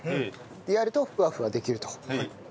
でやるとふわふわできると。